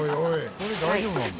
これ大丈夫なんだ。